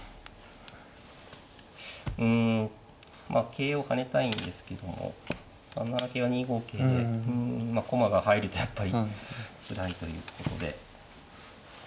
桂を跳ねたいんですけども３七桂は２五桂でうんまあ駒が入るとやっぱりつらいということで。